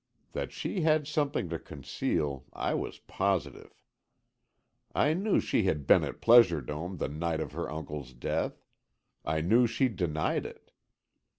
That she had something to conceal, I was positive. I knew she had been at Pleasure Dome the night of her uncle's death, I knew she denied it.